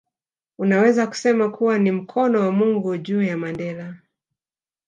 Unaweza kusema kuwa ni mkono wa Mungu juu ya Mandela